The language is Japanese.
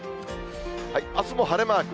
あすも晴れマーク。